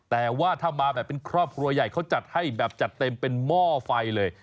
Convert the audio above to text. แต่ว่าถ้ามาแบบเป็นครอบครัวใหญ่เขาจัดให้แบบจัดเต็มเป็นหม้อไฟเลย